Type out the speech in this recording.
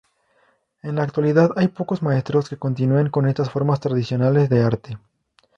En la actualidad hay pocos maestros que continúen con estas formas tradicionales de arte.